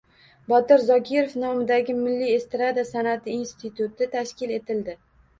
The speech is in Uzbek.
Botir Zokirov nomidagi Milliy estrada san’ati instituti tashkil etildi